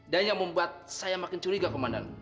dan yang membuat saya makin curiga komandan